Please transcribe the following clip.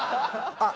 あっ！